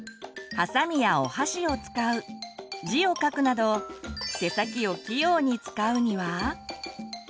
はさみやお箸を使う字を書くなど手先を器用に使うには？